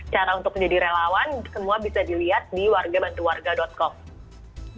cara untuk menjadi relawan semua bisa dilihat di wargabantuwarga com